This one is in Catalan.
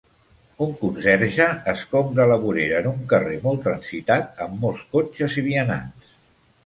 Un conserge escombra la vorera en un carrer molt transitat amb molts cotxes i vianants.